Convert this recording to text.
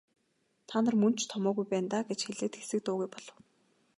Та нар мөн ч томоогүй байна даа гэж хэлээд хэсэг дуугүй болов.